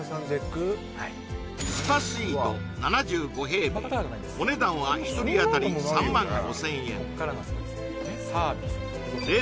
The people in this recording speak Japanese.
スパスイート７５平米お値段は１人あたり３万５０００円